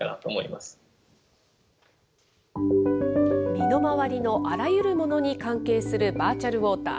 身の回りのあらゆるものに関係するバーチャルウォーター。